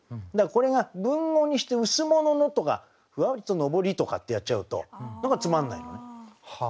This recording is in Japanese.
これが文語にして「羅の」とか「ふわりと昇り」とかってやっちゃうと何かつまんないよね。